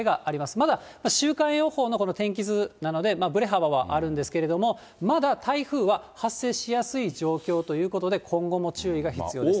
まだ週間予報のこの天気図なので、ぶれ幅はあるんですけれども、まだ台風は発生しやすい状況ということで、今後も注意が必要ですね。